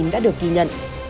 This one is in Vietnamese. đã được ghi nhận